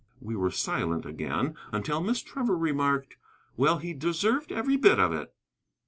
We were silent again until Miss Trevor remarked: "Well, he deserved every bit of it."